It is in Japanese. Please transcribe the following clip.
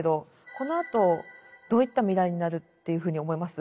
このあとどういった未来になるというふうに思います？